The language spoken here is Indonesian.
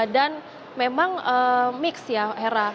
dan memang mix ya hera